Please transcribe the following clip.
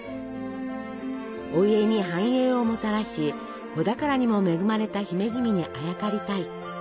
お家に繁栄をもたらし子宝にも恵まれた姫君にあやかりたい。